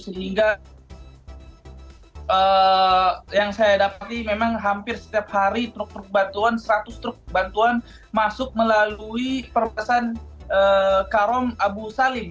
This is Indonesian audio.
sehingga yang saya dapati memang hampir setiap hari seratus truk bantuan masuk melalui perbatasan karong abu salim